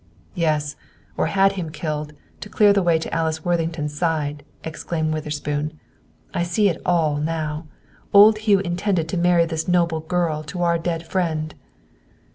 "Yes; or had him killed, to clear the way to Alice Worthington's side," exclaimed Witherspoon. "I see it all, now! Old Hugh intended to marry this noble girl to our dead friend!"